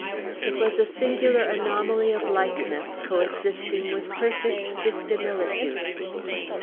It was a singular anomaly of likeness coexisting with perfect dissimilitude.